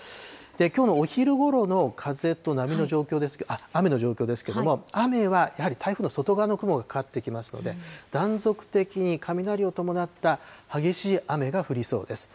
きょうのお昼ごろの風と雨の状況ですけれども、雨はやはり台風の外側の雲がかかってきますので、断続的に雷を伴った激しい雨が降りそうです。